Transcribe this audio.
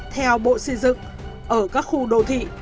theo bộ xây dựng ở các khu đô thị